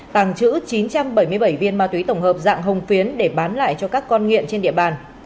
tàng trữ chín trăm bảy mươi bảy viên ma túy tổng hợp dạng hồng phiến để bán lại cho các con nghiện trên địa bàn